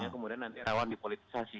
kemudian nanti rawan dipolitisasi